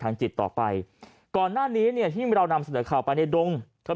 จิตต่อไปก่อนหน้านี้เนี่ยที่เรานำเสนอข่าวไปในดงเธอ